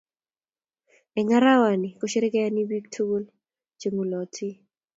Eng arawani kosherekeani biik tugun che ng'ulotei.